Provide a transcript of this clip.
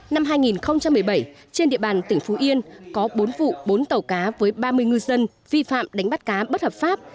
năm hai nghìn một mươi bảy trên địa bàn tỉnh phú yên có bốn vụ bốn tàu cá với ba mươi ngư dân vi phạm đánh bắt cá bất hợp pháp